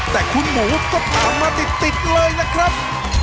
แต่คุณหมูก็ตามมาติดเลยล่ะครับ